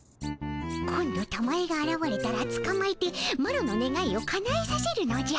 今度たまえがあらわれたらつかまえてマロのねがいをかなえさせるのじゃ。